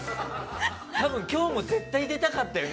多分、今日も絶対出たかったよね。